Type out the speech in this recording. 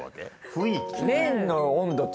雰囲気？